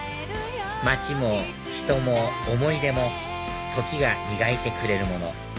街も人も思い出も時が磨いてくれるもの